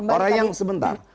orang yang sebentar